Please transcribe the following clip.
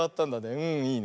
うんいいね。